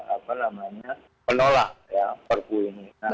apa namanya menolak perbu ini